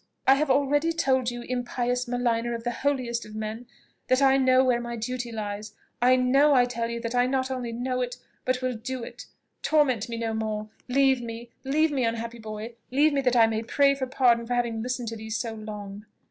"I have already told you, impious maligner of the holiest of men, that I know where my duty lies. I know, I tell you, that I not only know it, but will do it. Torment me no more! Leave me, leave me, unhappy boy! leave me that I may pray for pardon for having listened to thee so long."